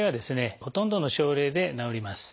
ほとんどの症例で治ります。